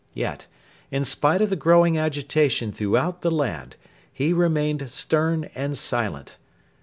Yet, in spite of the growing agitation throughout the land, he remained stern and silent.